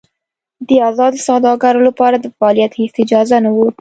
د ازادو سوداګرو لپاره د فعالیت هېڅ اجازه نه وه.